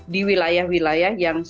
di wilayah wilayah yang